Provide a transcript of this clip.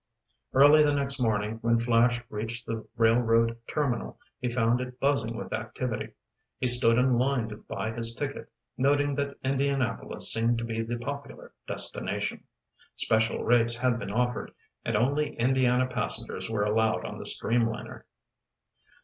Early the next morning when Flash reached the railroad terminal he found it buzzing with activity. He stood in line to buy his ticket, noting that Indianapolis seemed to be the popular destination. Special rates had been offered, and only Indiana passengers were allowed on the streamliner.